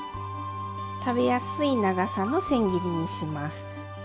食べやすい長さのせん切りにします。